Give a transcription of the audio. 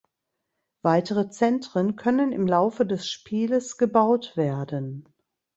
Weitere Zentren können im Laufe des Spieles gebaut werden.